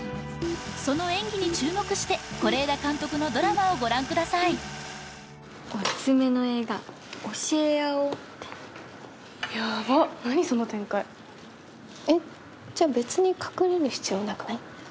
その演技に注目して是枝監督のドラマをご覧くださいおすすめの映画教え合おうってやばっ何その展開えっじゃあ別に隠れる必要なくない？